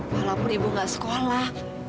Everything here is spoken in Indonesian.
walaupun ibu gak sekolah